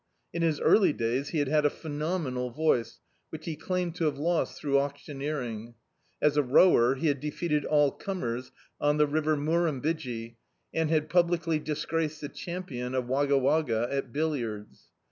In his early days he had had a phe nomenal voice, which he claimed to have lost through auctioneering. As a rower he had defeated all cmn ers on the river Murrumbidgee, and had publicly disgraced the champim of Wagga Wagga at bil liards.